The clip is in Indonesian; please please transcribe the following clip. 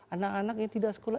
anak anak yang tidak sekolah